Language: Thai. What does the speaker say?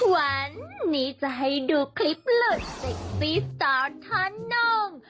วันนี้จะให้ดูคลิปหลุดเซ็กซี่สตาร์ทท่านหนึ่ง